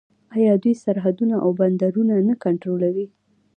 آیا دوی سرحدونه او بندرونه نه کنټرولوي؟